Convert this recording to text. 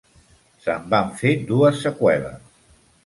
Se'n van fer dues seqüeles.